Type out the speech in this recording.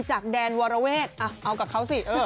จากแดนวรเวศเอากับเขาสิ